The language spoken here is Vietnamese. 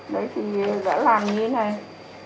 đấy thì đã làm như này